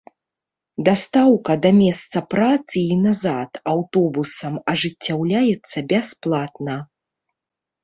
Дастаўка да месца працы і назад аўтобусам ажыццяўляецца бясплатна.